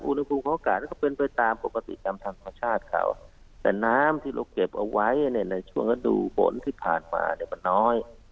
อุณหภูมิของอากาศก็เป็นไปตามปกติตามธรรมชาติเขาแต่น้ำที่เราเก็บเอาไว้เนี่ยในช่วงฤดูฝนที่ผ่านมาเนี่ยมันน้อย